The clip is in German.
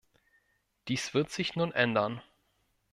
Dies wird sich nun ändern.